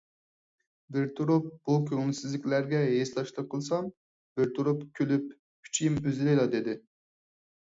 بىر تۇرۇپ بۇ كۆڭۈلسىزلىكلەرگە ھېسداشلىق قىلسام، بىر تۇرۇپ كۈلۈپ ئۈچىيىم ئۈزۈلەيلا دېدى.